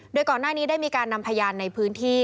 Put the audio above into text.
โดยก่อนหน้านี้ได้มีการนำพยานในพื้นที่